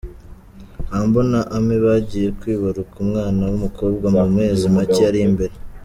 Humble na Amy bagiye kwibaruka umwana w’umukobwa mu mezi make ari imbere.